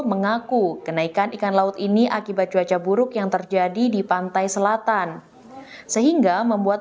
mengaku kenaikan ikan laut ini akibat cuaca buruk yang terjadi di pantai selatan sehingga membuat